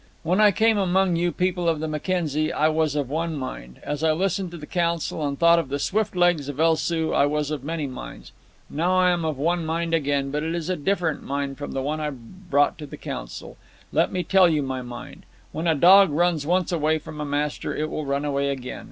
"When I came among you people of the Mackenzie, I was of one mind. As I listened in the council and thought of the swift legs of El Soo, I was of many minds. Now am I of one mind again but it is a different mind from the one I brought to the council. Let me tell you my mind. When a dog runs once away from a master, it will run away again.